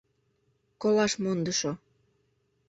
Колаш мондышо.